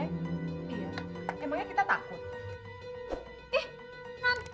iya emangnya kita takut